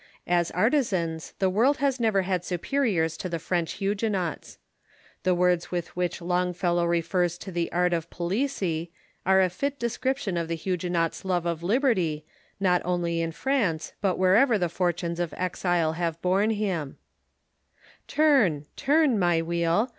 As artisans, the world has never had superiors to the French Huguenots. The words with which Longfellow refers to the art of Palissy are a fit de scription of the Huguenot's love of liberty, not only in France, but wherever the fortunes of exile have borne him: " Turn, turn, my wheel